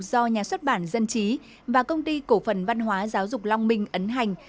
do nhà xuất bản dân trí và công ty cổ phần văn hóa giáo dục long minh ấn hành